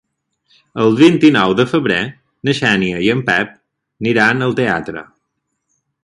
El vint-i-nou de febrer na Xènia i en Pep aniran al teatre.